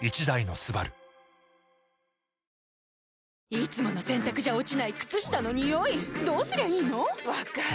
いつもの洗たくじゃ落ちない靴下のニオイどうすりゃいいの⁉分かる。